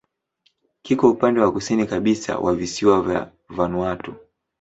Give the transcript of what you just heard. Kiko upande wa kusini kabisa wa visiwa vya Vanuatu.